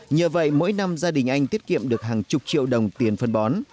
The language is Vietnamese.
nhờ vậy mỗi năm gia đình anh tiết kiệm được hàng chục triệu đồng tiền phân bó